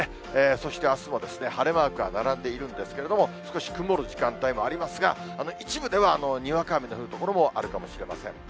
そしてあすも晴れマークは並んでいるんですけれども、少し曇る時間帯もありますが、一部ではにわか雨の降る所もあるかもしれません。